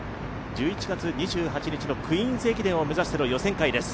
１１月２８日の「クイーンズ駅伝」を目指しての予選会です。